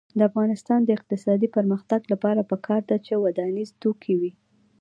د افغانستان د اقتصادي پرمختګ لپاره پکار ده چې ودانیز توکي وي.